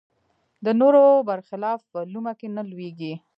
د نورو بر خلاف لومه کې نه لویېږي